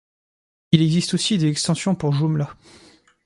Il existe aussi des extensions pour Joomla.